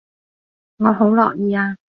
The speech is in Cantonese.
我好樂意啊